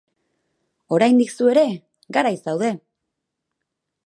Oraindik zu ere garaiz zaude!